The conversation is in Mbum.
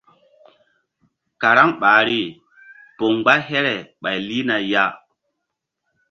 Karaŋ ɓahri poŋ mgba here ɓay lihna ya.